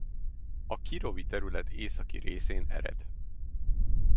A Kirovi terület északi részén ered.